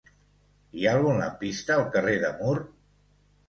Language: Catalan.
Hi ha algun lampista al carrer de Mur?